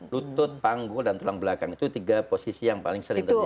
lutut panggul dan tulang belakang itu tiga posisi yang paling sering terjadi